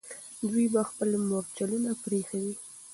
دوی به خپل مرچلونه پرېښي وي.